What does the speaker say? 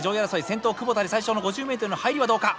先頭窪田で最初の５０ｍの入りはどうか？